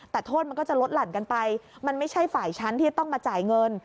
แต่โทษมันก็จะลดหลั่นกันไปมันไม่ใช่ฝ่ายฉันที่จะต้องมาจ่ายเงิน